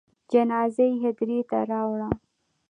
جنازه یې هدیرې ته راوړه.